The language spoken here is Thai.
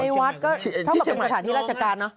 ไอ้วัดก็ที่เชียงใหม่ที่สถานที่ราชการเนอะ